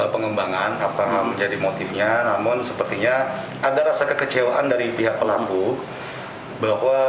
pengembangan apakah menjadi motifnya namun sepertinya ada rasa kekecewaan dari pihak pelaku bahwa